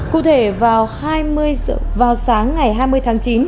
cụ thể vào sáng ngày hai mươi tháng chín